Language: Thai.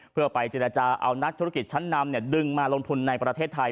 เพื่อไปเจรจาเอานักธุรกิจชั้นนำดึงมาลงทุนในประเทศไทย